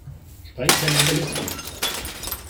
Sprengt den Obelisken!